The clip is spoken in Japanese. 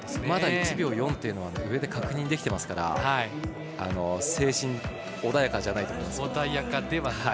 まだ、１秒４というのは上で確認できてますから、精神が穏やかなじゃないと思います。